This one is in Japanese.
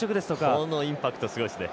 このインパクトすごいっすね。